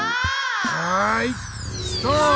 はいストーップ！